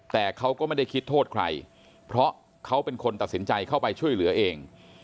แต่เขาก็ไม่ได้คิดโทษใครเพราะเขาเป็นคนตัดสินใจเข้าไปช่วยเหลือเอง